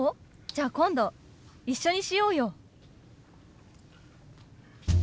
じゃ今度一緒にしようよ。